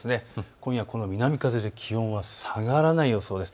今夜はこの南風で気温は下がらない予想です。